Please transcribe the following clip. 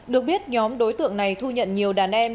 được biết nhóm đối tượng này thu nhận nhiều đàn em